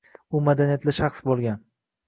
U madaniyatli shaxs bo‘lgan.